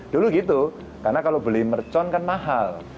dulu gitu karena kalau beli mercon kan mahal